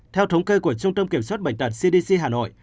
theo thống kê của trung tâm kiểm soát bệnh tật cdc hà nội